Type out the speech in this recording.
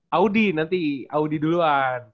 audi nanti audi duluan